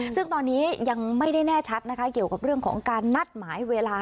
ซึ่งตอนนี้ยังไม่ได้แน่ชัดนะคะเกี่ยวกับเรื่องของการนัดหมายเวลา